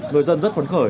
người dân rất phấn khởi